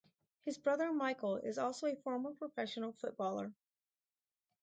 His brother Michael is also a former professional footballer.